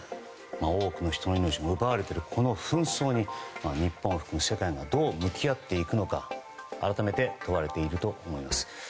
多くの人の命も奪われている紛争に日本を含め世界がどう向き合っていくか改めて問われていると思います。